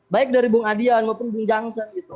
baik dari bung adian maupun bung jangsen